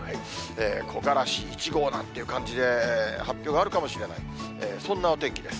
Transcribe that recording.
木枯らし１号なんていう感じで、発表があるかもしれない、そんなお天気です。